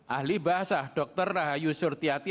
ahli bahasa dr rahayu surtiati